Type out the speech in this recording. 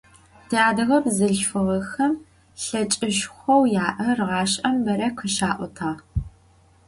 Тиадыгэ бзылъфыгъэхэм лъэкӏышхоу яӏэр гъашӏэм бэрэ къыщаӏотагъ.